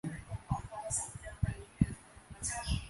พญาครุฑแปลงเป็นสุบรรณจร